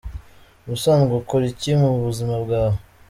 Ubusanzwe ukora iki mu buzima bwawe?.